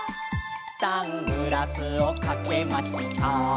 「サングラスをかけました」